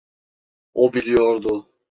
O biliyordu.